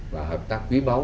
và hợp tác quý báu